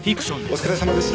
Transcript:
お疲れさまです。